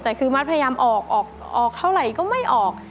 แต่คือมัดพยายามออกออกเท่าไหร่ก็ไม่ออก